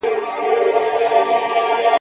هغه له لوږي په زړو نتلي ,